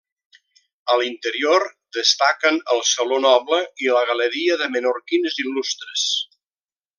A l'interior destaquen el Saló Noble i la Galeria de Menorquins Il·lustres.